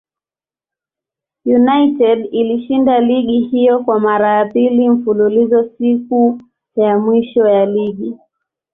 United ilishinda ligi hiyo kwa mara ya pili mfululizo siku ya mwisho ya ligi.